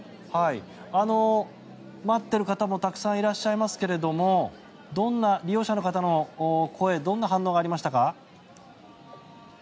待っている方も、たくさんいらっしゃいますけれども利用者の方はどんな反応がありましたか？